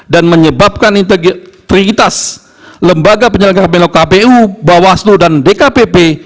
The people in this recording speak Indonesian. dan menyebabkan integritas lembaga penyelenggara pemilu kpu bawaslu dan dkpp